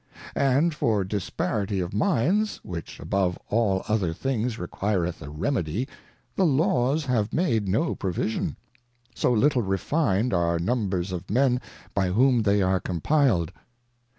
And for dis parity of Minds, which above all other things requireth a Remedy, \ik\& Laws have made no provision ; so little refin'd are numbers of Men, by whom they are compil'd.